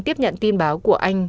tiếp nhận tin báo của anh